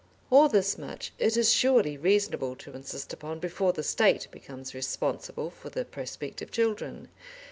All this much it is surely reasonable to insist upon before the State becomes responsible for the prospective children.